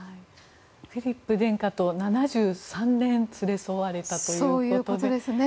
フィリップ殿下と、７３年連れ添われたということで。